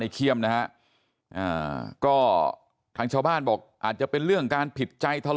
แล้วก็ยัดลงถังสีฟ้าขนาด๒๐๐ลิตร